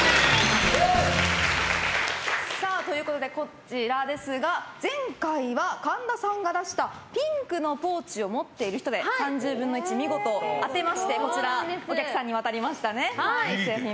こちら、前回は神田さんが出したピンクのポーチを持っている人で３０分の１、見事当てましてお客さんに渡りましたね、景品が。